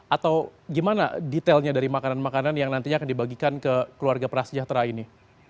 atau gimana detailnya dari makanan makanan yang nantinya akan dibagikan ke keluarga prasejahtera ini